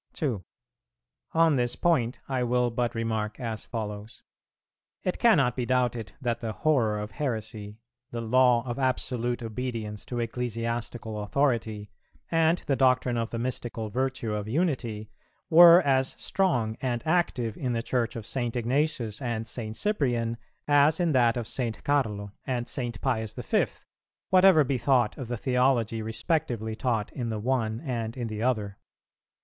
2. On this point I will but remark as follows. It cannot be doubted that the horror of heresy, the law of absolute obedience to ecclesiastical authority, and the doctrine of the mystical virtue of unity, were as strong and active in the Church of St. Ignatius and St. Cyprian as in that of St. Carlo and St. Pius the Fifth, whatever be thought of the theology respectively taught in the one and in the other.